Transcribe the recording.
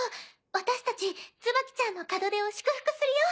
私たちツバキちゃんの門出を祝福するよ。